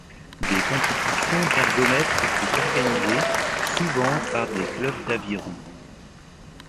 Des compétitions d’ergomètre sont organisées, souvent par des clubs d’aviron.